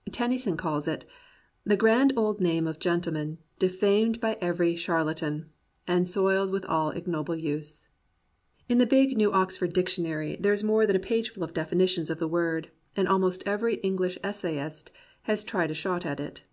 '*" Tennyson calls it The grand old name of gentleman Defamed by every charlatan. And soil'd with all ignoble use. In the big New Oxford Dictionary there is more than a pageful of definitions of the word, and al most every English essayist has tried a shot at it.